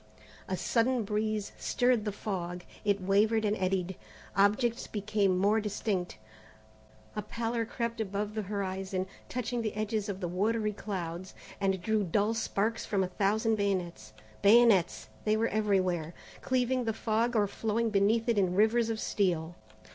A sudden breeze stirred the fog. It wavered and eddied. Objects became more distinct. A pallor crept above the horizon, touching the edges of the watery clouds, and drew dull sparks from a thousand bayonets. Bayonets they were everywhere, cleaving the fog or flowing beneath it in rivers of steel.